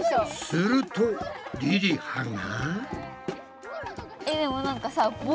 するとりりはが。